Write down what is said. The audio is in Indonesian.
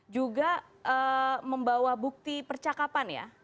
juga membawa bukti percakapan ya